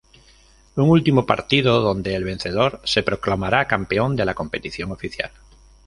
Un último partido donde el vencedor, se proclamará campeón de la competición oficial.